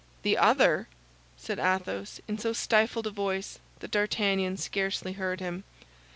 "The other?" said Athos, in so stifled a voice that D'Artagnan scarcely heard him.